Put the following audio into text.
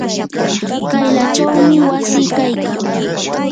kaylachawmi wasi kaykan.